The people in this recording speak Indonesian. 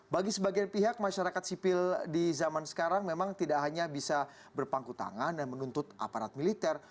bagi sebagian pihak masyarakat sipil di zaman sekarang memang tidak hanya bisa berpangku tangan dan menuntut aparat militer